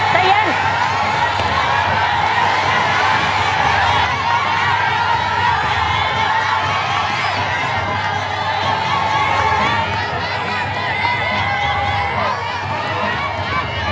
แม่มาแตะมูกับบ๊อยก่อนหรอ